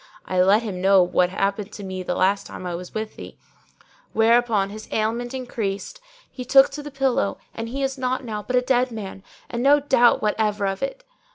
I let him know what happened to me the last time I was with thee, whereupon his ailment increased, he took to the pillow and he is naught now but a dead man, and no doubt what ever of it.'